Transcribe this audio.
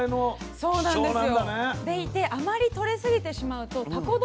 そうなんですよ。